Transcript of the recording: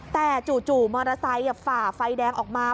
แต่จู่มอเตอร์ไซค์ฝ่าไฟแดงออกมา